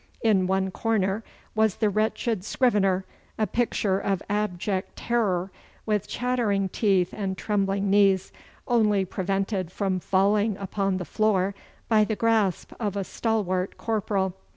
In one corner was the wretched scrivener, a picture of abject terror, with chattering teeth and trembling knees, only prevented from falling upon the floor by the grasp of a stalwart corporal.